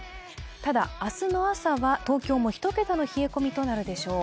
ただ、明日の朝には東京で１桁の冷え込みとなるでしょう。